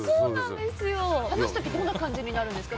話す時どんな感じになるんですか。